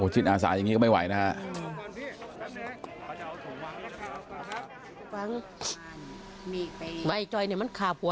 จิตอาสาอย่างนี้ก็ไม่ไหวนะฮะ